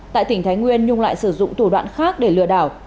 tại tỉnh thái nguyên nhung lại sử dụng thủ đoạn khác để lừa đảo